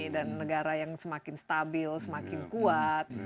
dan negara yang semakin stabil semakin kuat